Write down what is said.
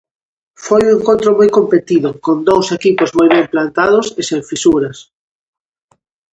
Foi un encontro moi competido, con dous equipos moi ben plantados e sen fisuras.